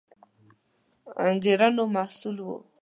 انګېرنو محصول وو